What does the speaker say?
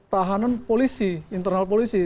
tahanan polisi internal polisi